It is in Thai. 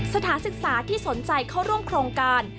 สถานศึกษาที่สนใจเข้าร่วมโครงการ